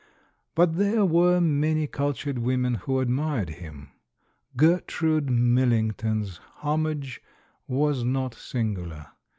But there were many cultured women who admired him ; Gertrude Millington's homage was not singular.